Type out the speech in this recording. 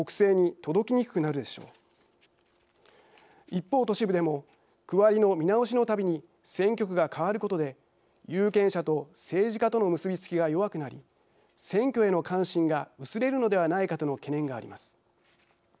一方都市部でも区割りの見直しのたびに選挙区が変わることで有権者と政治家との結びつきが弱くなり選挙への関心が薄れるのではないかとの懸念があります。